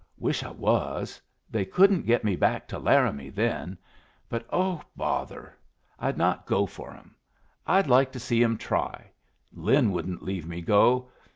"Wish I was. They couldn't get me back to Laramie then; but, oh, bother! I'd not go for 'em! I'd like to see 'em try! Lin wouldn't leave me go.